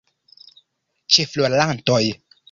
Ĉefrolantoj.